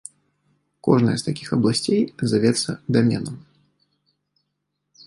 Кожная з такіх абласцей завецца даменам.